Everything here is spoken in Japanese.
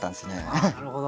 あなるほど。